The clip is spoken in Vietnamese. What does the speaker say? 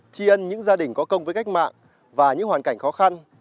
chi ơn những gia đình có công với cách mạng và những hoàn cảnh khó khăn